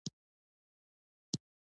د افغانستان په منظره کې هوا ښکاره ده.